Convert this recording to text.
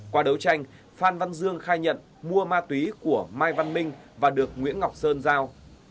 qua đấu tranh phan văn dương khai nhận mua ma túy của mai văn minh và được nguyễn ngọc sơn giao